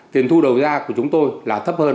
tiền thu đầu ra của chúng tôi là thấp hơn